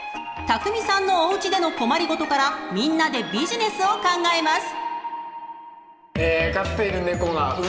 ［たくみさんのおうちでの困り事からみんなでビジネスを考えます］